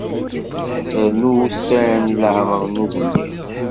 Rnu ussan i leɛmer n ugellid.